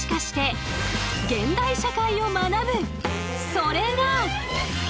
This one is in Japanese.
それが。